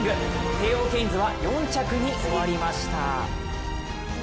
テーオーケインズは４着に終わりました。